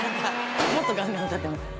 もっとガンガン歌ってます。